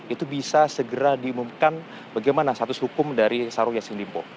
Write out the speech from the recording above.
itu bisa segera diumumkan bagaimana status hukum dari syahrul yassin limpo